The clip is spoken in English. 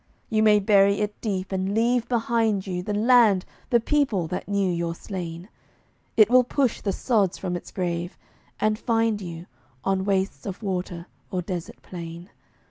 You may bury it deep, and leave behind you The land, the people, that knew your slain; It will push the sods from its grave, and find you On wastes of water or desert plain.